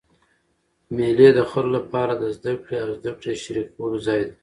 مېلې د خلکو له پاره د زدهکړي او زدهکړي شریکولو ځای دئ.